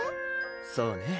そうね